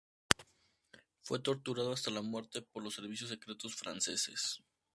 Fue torturado hasta la muerte por los servicios secretos franceses.